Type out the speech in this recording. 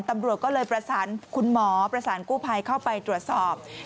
ตำรวจก็เลยประสานคุณหมอประสานกู้ภัยเข้าไปตรวจสอบ